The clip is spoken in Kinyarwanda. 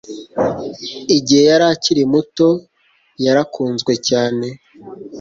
Igihe yari akiri muto yarakunzwe cyane